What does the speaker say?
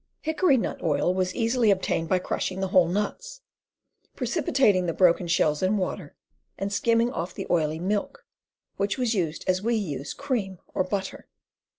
Hickory nut oil was easily obtained by crushing the whole nuts, precipitating the broken shells in water, and skimming off the oily * milk," which was used as we use cream or butter.